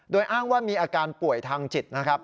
โดยอ้างว่ามีอาการป่วยทางจิตนะครับ